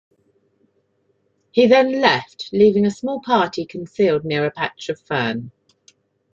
He then left, leaving a small party concealed near a patch of fern.